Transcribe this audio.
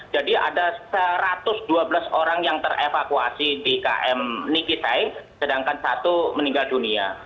ada satu ratus dua belas orang yang terevakuasi di km nikitai sedangkan satu meninggal dunia